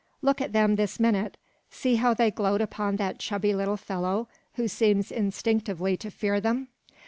Look at them this minute! See how they gloat upon that chubby little fellow, who seems instinctively to fear them.